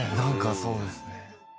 そうですね